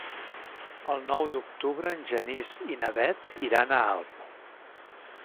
El nou d'octubre en Genís i na Bet iran a Alp.